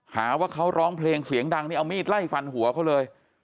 หาว่าเขาร้องเพลงเสียงดังนี่เอามีดไล่ฟันหัวเขาเลย